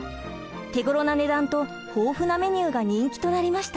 手ごろな値段と豊富なメニューが人気となりました。